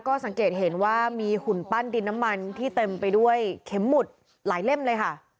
ก็สังเกตเห็นว่ามีหุ่นปั้นดินน้ำมันที่เต็มไปด้วยเข็มหมุดหลายเล่มเลยค่ะ